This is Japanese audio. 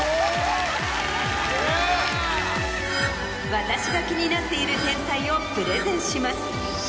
私が気になっている天才をプレゼンします。